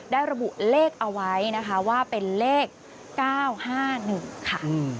ได้ระบุเลขเอาไว้ว่าเป็นเลข๙๕๑ค่ะ